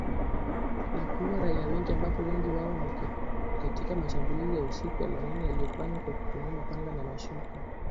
Na kuua raia wengi ambapo wengi wao ni katika mashambulizi ya usiku wa manane yaliyofanywa kwa kutumia mapanga na mashoka.